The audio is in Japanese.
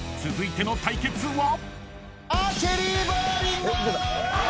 ［続いての対決は］